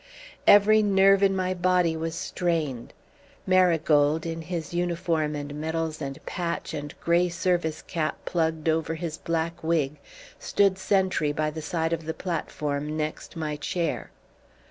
Every nerve in my body was strained. Marigold, in his uniform and medals and patch and grey service cap plugged over his black wig, stood sentry by the side of the platform next my chair.